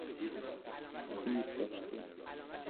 زیر گشته